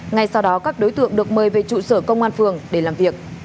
ngay sau đó các đối tượng được mời về trụ sở công an phường để làm việc